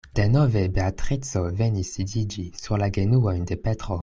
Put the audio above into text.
Denove Beatrico venis sidiĝi sur la genuojn de Petro.